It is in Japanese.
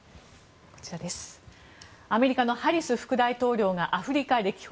アメリカのハリス副大統領がアフリカ歴訪。